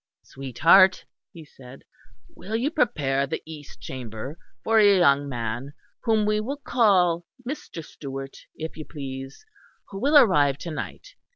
"Sweetheart," he said, "will you prepare the east chamber for a young man whom we will call Mr. Stewart, if you please, who will arrive to night.